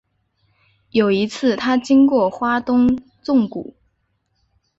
有一次他经过花东纵谷